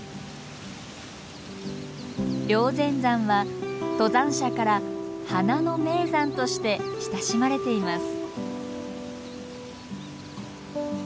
霊仙山は登山者から「花の名山」として親しまれています。